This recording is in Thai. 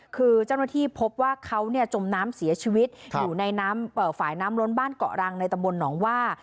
คือเจ้าหน้าที่พบว่าเขาจมน้ำเสียชีวิตอยู่ในน้ำฝ่ายน้ำล้นบ้านเกาะรังในตำบลหนองว่า